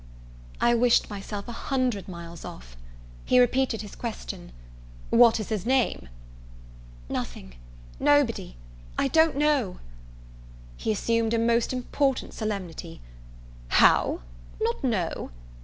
I wished myself a hundred miles off. He repeated his question, "What is his name?" "Nothing nobody I don't know " He assumed a most important solemnity: "How! not know?